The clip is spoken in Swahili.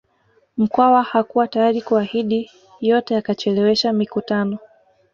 Mkwawa hakuwa tayari kuahidi yote akachelewesha mikutano